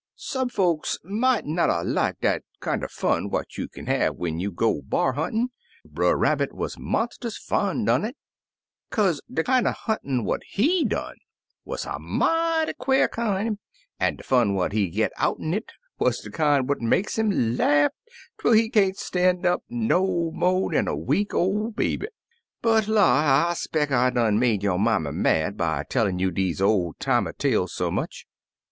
Some folks mought not 'a' liked dat kinder fun what you kin have when you go b'ar huntin', but Brer Rabbit wuz monstus fond un it, kaze de kinder huntin' what he done wuz a mighty quare kind, an' de fun what he git out'n it wuz de kin' what make 'im laugh twel he can't stan' up no mo' dan a week ol' baby. But la! I 'speck I done make yo' mammy mad by tellin' you deze ol' timey tales so much.